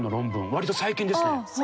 わりと最近ですね。